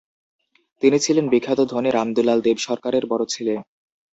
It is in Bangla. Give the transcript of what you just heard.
তিনি ছিলেন বিখ্যাত ধনী রামদুলাল দেব সরকারের বড় ছেলে।